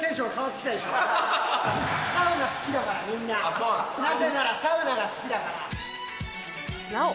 なぜなら、サウナが好きだから。